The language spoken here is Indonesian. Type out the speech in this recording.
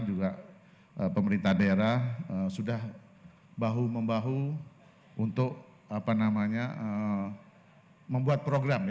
juga pemerintah daerah sudah bahu membahu untuk membuat program